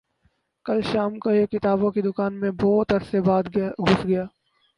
کل شام کو ایک کتابوں کی دکان میں بہت عرصے بعد گھس گیا